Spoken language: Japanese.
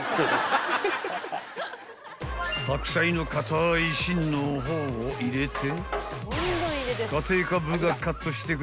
［白菜の硬い芯の方を入れて］